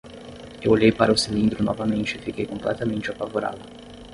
Eu olhei para o cilindro novamente e fiquei completamente apavorado.